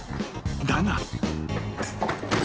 ［だが］